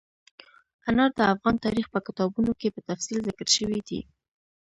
انار د افغان تاریخ په کتابونو کې په تفصیل ذکر شوي دي.